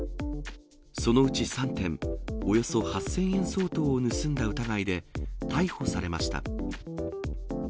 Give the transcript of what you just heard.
そのうち３点、およそ８０００円相当を盗んだ疑いで逮捕されました。